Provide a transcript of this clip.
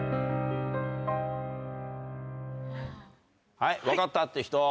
はい分かったって人。